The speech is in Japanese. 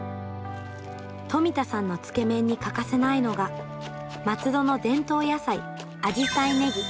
富田さんのつけ麺に欠かせないのが松戸の伝統野菜、あじさいねぎ。